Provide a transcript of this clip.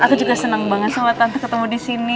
aku juga senang banget sama tante ketemu di sini